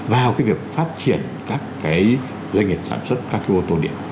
vào cái việc phát triển các cái doanh nghiệp sản xuất các cái ô tô điện